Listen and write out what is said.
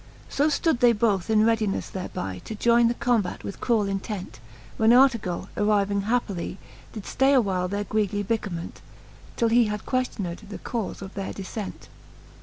So flood they both in readineffe, thereby To joyne the combate with cruell intent ;^ When Artegall^ arriving happily, Did ftay a while their greedy bickerment, Till he had queftioned the caufe of their diffent.